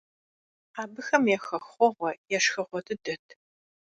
Абыхэм я хэхъуэгъуэ, я шхэгъуэ дыдэт.